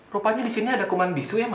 rupanya di sini ada kuman bisu ya